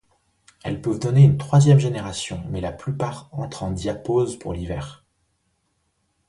Elles peuvent donner une troisième génération mais la plupart entre en diapause pour l'hiver.